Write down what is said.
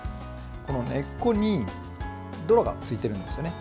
この根っこに泥がついているんですよね。